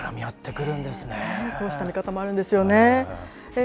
そうした見方もあるんですよね。